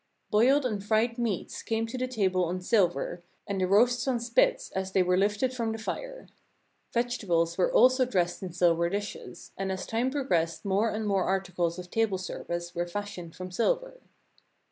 Boiled and fried meats came to the table on silver, and the roasts on spits as they were lifted from the fire. Vegetables were also dressed in silver dishes, and as time progressed more and more articles of table service were fashioned from silver.